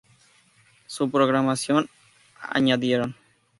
Su programación añadieron.